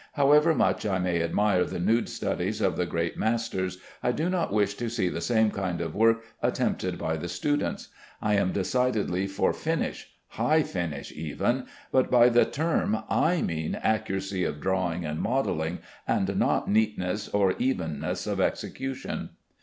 However much I may admire the nude studies of the great masters, I do not wish to see the same kind of work attempted by the students. I am decidedly for "finish," "high finish" even, but by the term I mean accuracy of drawing and modelling, and not neatness or evenness of execution.